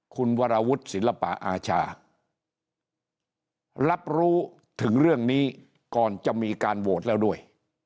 คุณวรวุฒิศิลปะอาชารับรู้ถึงเรื่องนี้ก่อนจะมีการโหวตแล้วด้วย